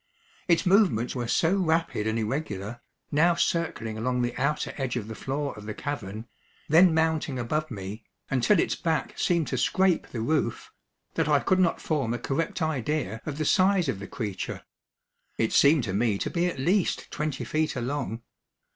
Its movements were so rapid and irregular, now circling along the outer edge of the floor of the cavern, then mounting above me, until its back seemed to scrape the roof, that I could not form a correct idea of the size of the creature. It seemed to me to be at least twenty feet along.